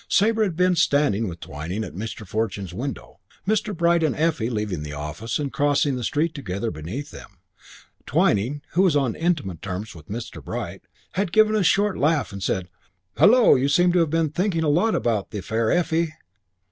Sabre had been standing with Twyning at Mr. Fortune's window, Mr. Bright and Effie leaving the office and crossing the street together beneath them. Twyning, who was on intimate terms with Mr. Bright, had given a short laugh and said, "Hullo, you seem to have been thinking a lot about the fair Effie!"